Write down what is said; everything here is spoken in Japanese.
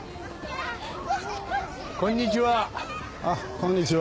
こんにちは。